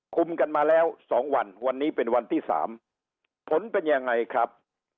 คุมกันมาแล้ว๒วันวันนี้เป็นวันที่๓ผลเป็นยังไงครับ